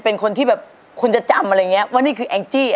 เพราะว่าเพราะว่าเพราะว่าเพราะ